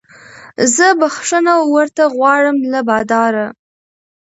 زه بخښنه ورته غواړم له باداره